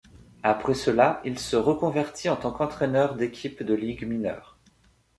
Après cela, il se reconvertit en tant qu'entraîneur d'équipes de ligues mineures.